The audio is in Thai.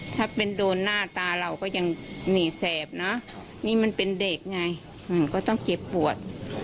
ถ้าเป็นโดนหน้าตาเราก็ยังหนีแสบนะนี่มันเป็นเด็กไงมันก็ต้องเจ็บปวด